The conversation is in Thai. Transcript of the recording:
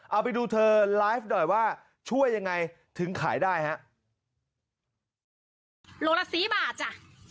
เอาไปดูเธอไลฟ์หน่อยว่าช่วยยังไงถึงขายได้ฮะโลละสี่บาทจ้ะ